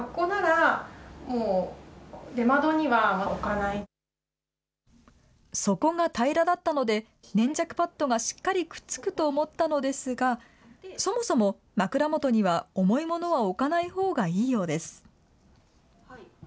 早速、そこが平らだったので、粘着パッドがしっかりくっつくと思ったのですが、そもそも枕元には重い物は置かないほうがいいようです。